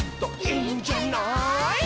「いいんじゃない」